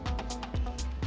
kota yang terbaik untuk anda